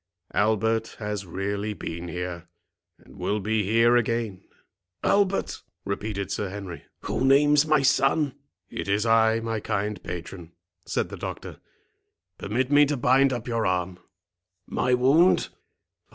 Albert has really been here, and will be here again." "Albert!" repeated Sir Henry, "who names my son?" "It is I, my kind patron," said the doctor; "permit me to bind up your arm." "My wound?